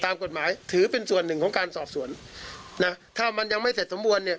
ตามกฎหมายถือเป็นส่วนหนึ่งของการสอบสวนนะถ้ามันยังไม่เสร็จสมบูรณ์เนี่ย